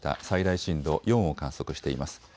最大震度４を観測しています。